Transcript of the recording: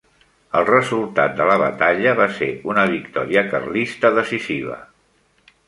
El resultat de la batalla va ser una victòria carlista decisiva.